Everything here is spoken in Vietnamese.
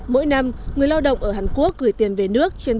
mỗi năm người lao động ở hàn quốc gửi tiền về nước trên bảy trăm linh triệu đô la mỹ